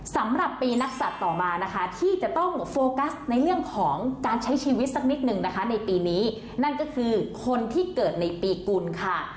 สำหรับปีนักศัตริย์ต่อมานะคะที่จะต้องโฟกัสในเรื่องของการใช้ชีวิตสักนิดหนึ่งนะคะในปีนี้นั่นก็คือคนที่เกิดในปีกุลค่ะ